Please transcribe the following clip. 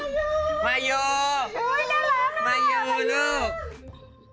เฮ้ยน่ารักนะ